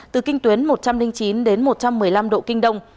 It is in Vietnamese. từ kinh tuyến một trăm linh chín đến một trăm một mươi năm độ kinh đông